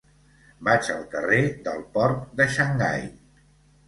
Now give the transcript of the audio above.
Vaig al carrer del Port de Xangai.